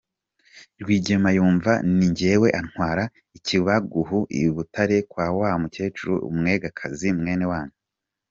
Rwigema yumva ni jyewe antwara ikubagahu I Butare kwa wa mukecuru, umwegakazi mwene wanyu.